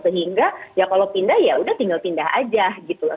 sehingga ya kalau pindah ya udah tinggal pindah aja gitu